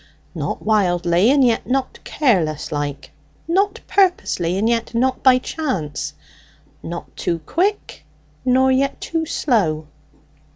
"Not wildly, and yet not careless like; not purposely, and yet not by chance; not too quick nor yet too slow."